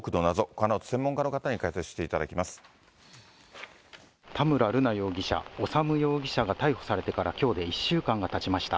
このあと、専門家の方に解説して田村瑠奈容疑者、修容疑者が逮捕されてからきょうで１週間がたちました。